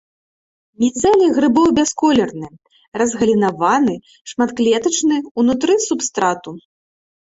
Міцэлій грыбоў бясколерны, разгалінаваны, шматклетачны, унутры субстрату.